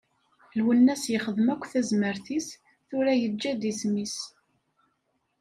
Lwennas yexdem akk tazmert-is, tura yeǧǧa-d isem-is.